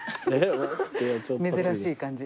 珍しい感じ。